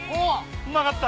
うまかった。